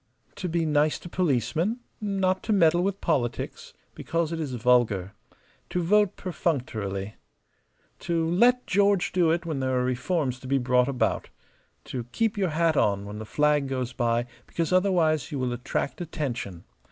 "To be nice to policemen. Not to meddle with politics, because it is vulgar. To vote perfunctorily. To 'let George do it' when there are reforms to be brought about. To keep your hat on when the flag goes by because otherwise you will attract attention.